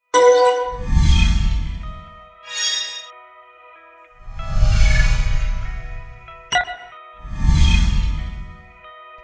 những bài tập yoga nhẹ nhàng có thể giúp cải thiện quá trình tiêu hóa